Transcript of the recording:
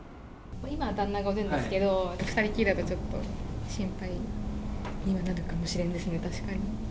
今、旦那がいるんですけど、２人きりだとちょっと、心配になるかもしれんですね、確かに。